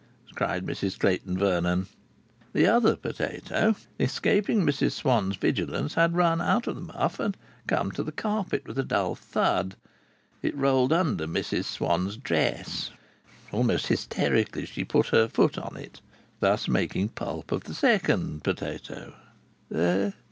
cried Mrs Clayton Vernon. The other potato, escaping Mrs Swann's vigilance, had run out of the muff and come to the carpet with a dull thud. It rolled half under Mrs Swann's dress. Almost hysterically she put her foot on it, thus making pulp of the second potato.